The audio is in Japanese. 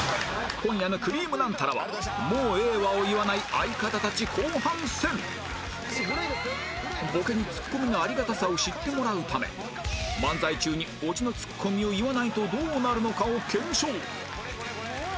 今夜の『くりぃむナンタラ』はボケにツッコミのありがたさを知ってもらうため漫才中にオチのツッコミを言わないとどうなるのかを検証